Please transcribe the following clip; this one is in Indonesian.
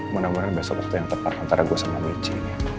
mudah mudahan besok waktu yang tepat antara gue sama michi